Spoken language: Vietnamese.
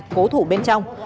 cố thủ bên trong